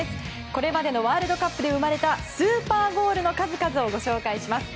これまでのワールドカップで生まれたスーパーゴールの数々をご紹介します。